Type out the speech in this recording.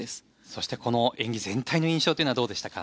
そして演技全体の印象はどうでしたか。